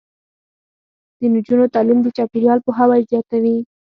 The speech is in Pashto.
د نجونو تعلیم د چاپیریال پوهاوی زیاتوي.